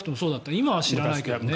今は知らないけど。